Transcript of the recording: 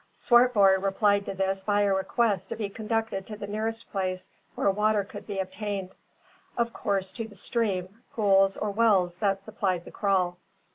Swartboy replied to this by a request to be conducted to the nearest place where water could be obtained, of course to the stream, pools, or wells that supplied the kraal.